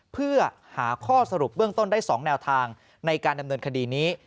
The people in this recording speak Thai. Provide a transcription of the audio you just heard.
เพื่อหาข้อสรุปเบื้องต้นได้๒แนวทางในการดำเนินคดีนี้